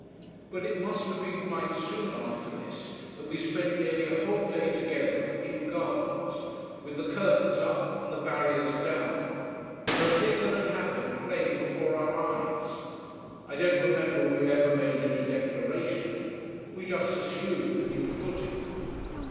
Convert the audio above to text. But it must have been quite soon after this that we spent nearly a whole day together at Kew Gardens, with the curtains up and the barriers down, and the thing that had happened plain before our eyes. I don't remember we ever made any declaration. We just assumed the new footing....